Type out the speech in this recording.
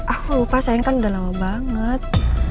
aku lupa sayang kan udah lama banget